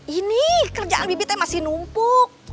ini kerjaan bibitnya masih numpuk